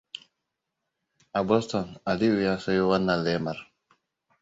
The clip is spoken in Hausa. A Boston Aliyu ya sayo wannan lemar.